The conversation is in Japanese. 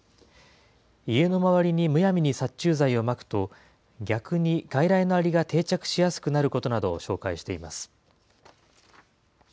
家の周りにむやみに殺虫剤をまくと、逆に外来のアリが定着しやすくなることなどを紹介しています。